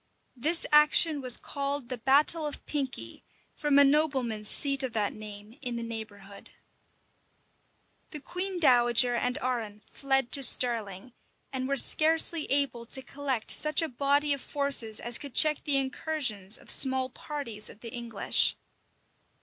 This action was called the battle of Pinkey, from a nobleman's seat of that name in the neighborhood. The queen dowager and Arran fled to Stirling, and were scarcely able to collect such a body of forces as could check the incursions of small parties of the English.